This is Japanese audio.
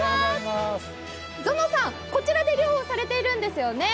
ゾノさん、こちらで漁をされているんですよね？